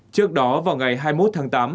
trước đó vào ngày hai mươi một tháng tám